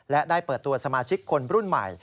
และได้เปิดตัวสมาชิกคนรุ่นใหม่